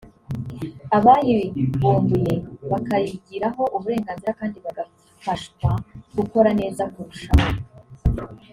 abayivumbuye bakayigiraho uburenganzira kandi bagafashwa gukora neza kurushaho